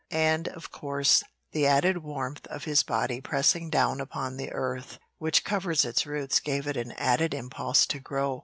And, of course, the added warmth of his body pressing down upon the earth which covers its roots gave it an added impulse to grow."